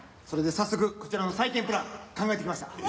それで早速こちらの再建プラン考えてきました。